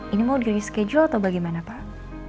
ini mau di reschedule atau bagaimana pak